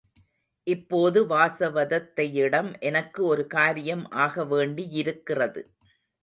இப்போது வாசவதத்தையிடம் எனக்கு ஒரு காரியம் ஆக வேண்டியிருக்கிறது.